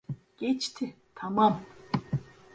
Geçti, tamam.